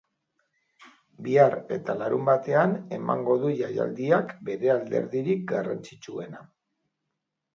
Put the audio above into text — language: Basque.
Bihar eta larunbatean emango du jaialdiak bere alderdirik garrantzitsuena.